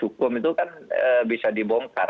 hukum itu kan bisa dibongkar